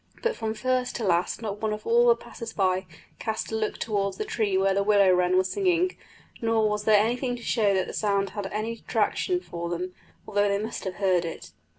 But from first to last not one of all the passers by cast a look towards the tree where the willow wren was singing; nor was there anything to show that the sound had any attraction for them, although they must have heard it.